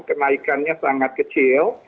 kenaikannya sangat kecil